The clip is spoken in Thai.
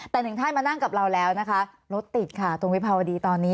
แต่หนึ่งท่านมานั่งกับเราแล้วนะคะรถติดค่ะตรงวิภาวดีตอนนี้